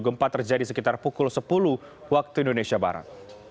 gempa terjadi sekitar pukul sepuluh waktu indonesia barat